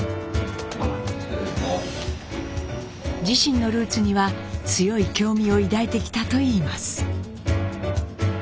自身のルーツには強い興味を抱いてきたといいます。